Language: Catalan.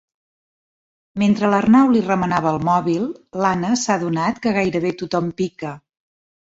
Mentre l'Arnau li remenava el mòbil l'Anna s'ha adonat que gairebé tothom pica.